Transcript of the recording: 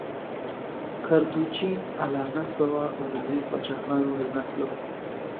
کردوچین اعلی نسبه وه او د لویو پاچاهانو له نسله وه.